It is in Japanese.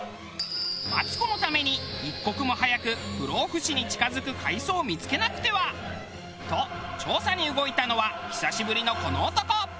マツコのために一刻も早く不老不死に近付く海藻を見付けなくては！と調査に動いたのは久しぶりのこの男。